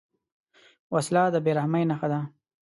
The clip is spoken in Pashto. وسله د بېرحمۍ نښه ده